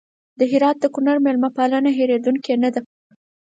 د هرات د ګورنر مېلمه پالنه هېرېدونکې نه ده.